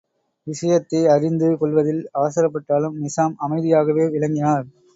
விஷயத்தை அறிந்து கொள்வதில் அவசரப்பட்டாலும் நிசாம் அமைதியாகவே விளங்கினார்.